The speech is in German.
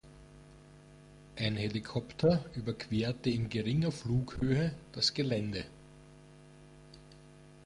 Ein Helikopter überquerte in geringer Flughöhe das Gelände.